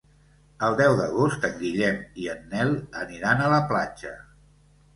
El deu d'agost en Guillem i en Nel aniran a la platja.